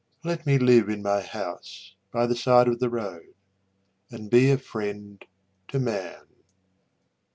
Let me live in my house by the side of the road And be a friend to man.